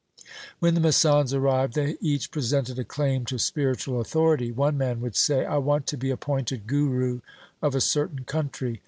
When the masands arrived they each presented a claim to spiritual authority. One man would say, ' I want to be appointed guru of a certain country.'